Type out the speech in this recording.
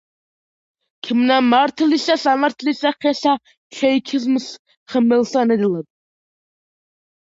„ქმნა მართლისა სამართლისა ხესა შეიქმს ხმელსა ნედლად.“